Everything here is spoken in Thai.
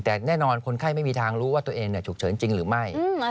แต่แน่นอนคนไข้ไม่มีทางรู้ว่าตัวเองฉุกเฉินจริงหรือไม่